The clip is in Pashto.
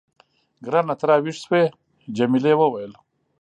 ګرانه، ته راویښ شوې؟ جميلې وويل:.